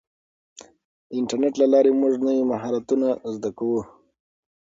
د انټرنیټ له لارې موږ نوي مهارتونه زده کوو.